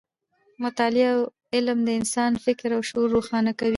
مطالعه او علم د انسان فکر او شعور روښانه کوي.